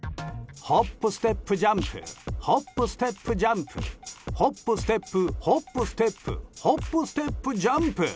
ホップ、ステップ、ジャンプホップ、ステップ、ジャンプホップ、ステップホップ、ステップホップ、ステップ、ジャンプ。